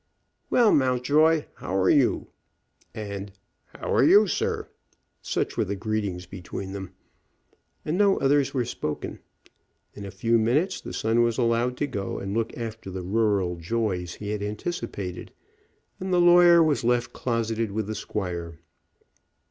"Well, Mountjoy, how are you?" And, "How are you, sir?" Such were the greetings between them. And no others were spoken. In a few minutes the son was allowed to go and look after the rural joys he had anticipated, and the lawyer was left closeted with the squire.